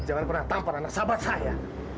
jangan pernah tampar anak sahabat saya